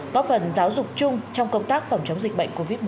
có phần giáo dục chung trong công tác phòng chống dịch bệnh covid một mươi chín